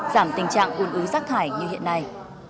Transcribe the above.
giảm tình trạng uốn úi rác thải như hiện nay